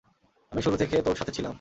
আমি শুরু থেকে তোর সাথে ছিলাম।